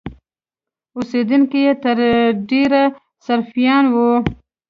اوسېدونکي یې تر ډېره سرفیان وو.